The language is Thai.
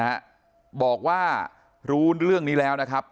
ฮะบอกว่ารู้เรื่องนี้แล้วนะครับ